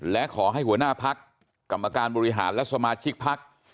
และขอให้หัวหน้าพักกรรมการบริหารและสมาชิกพัก